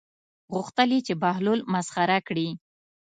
غوښتل یې چې بهلول مسخره کړي.